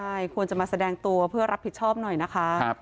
ใช่ควรจะมาแสดงตัวเพื่อรับผิดชอบหน่อยนะคะ